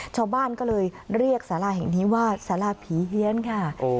ชาวบ้านก็เลยเรียกสาราแห่งนี้ว่าสาราผีเวียนค่ะ